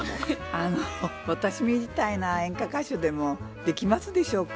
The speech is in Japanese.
あの私みたいな演歌歌手でもできますでしょうか？